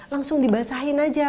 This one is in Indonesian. langsung dibasahin aja